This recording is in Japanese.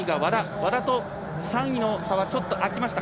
和田と３位の差はちょっとあきました